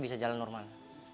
buat apa kamu tuh